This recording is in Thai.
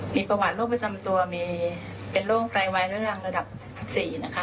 มีประวัติโรคประจำตัวมีเป็นโรคไตวายเรื้อรังระดับ๔นะคะ